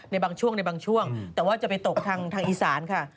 ในบางช่วงแต่ว่าจะไปตกทางอีสานค่ะ